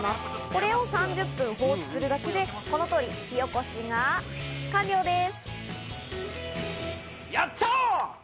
これを３０分放置するだけでこのように火おこしが完了です。